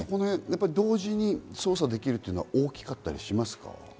同時に捜査できるというのは大きかったりしますか？